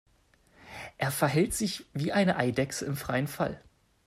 Er verhält sich wie eine Eidechse im freien Fall.